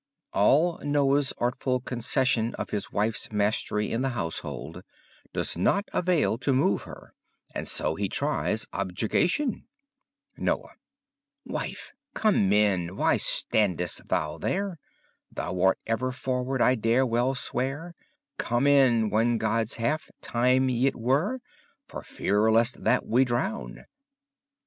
All Noah's artful concession of his wife's mastery in the household does not avail to move her and so he tries objurgation. Noye Wiffe, come in: why standes thou their? Thou arte ever frowarde, I dare well sweare; Come in, one Godes halfe! tyme yt were, For feare leste that we drowne.